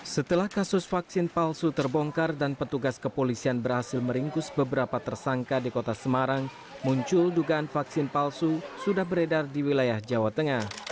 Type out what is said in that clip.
setelah kasus vaksin palsu terbongkar dan petugas kepolisian berhasil meringkus beberapa tersangka di kota semarang muncul dugaan vaksin palsu sudah beredar di wilayah jawa tengah